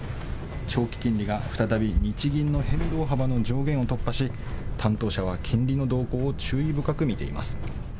長期金利が再び日銀の変動幅の上限を突破し担当者は金利の動向を注意深く見ています。